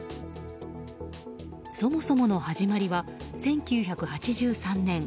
そもそもの始まりは１９８３年。